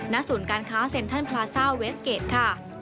ศูนย์การค้าเซ็นทรัลพลาซ่าเวสเกจค่ะ